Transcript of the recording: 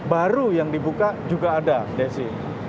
baru yang dibuka juga ada desi